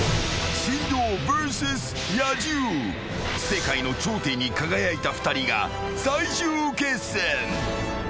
［世界の頂点に輝いた２人が最終決戦］